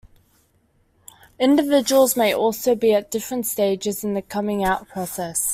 Individuals may also be at different stages in the coming out process.